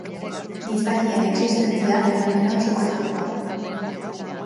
Gizakien existentzia fenomeno subjektiboa da.